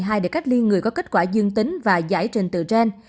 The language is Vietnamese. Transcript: ngoài việc tăng cường kết liên người có kết quả dương tính và giải trình tự gen